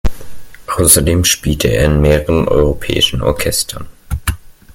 Außerdem spielte er in mehreren europäischen Orchestern.